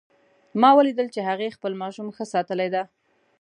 ما ولیدل چې هغې خپل ماشوم ښه ساتلی ده